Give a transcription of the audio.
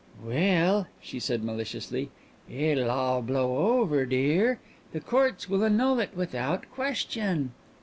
"Well," she said maliciously, "it'll all blow over, dear. The courts will annul it without question."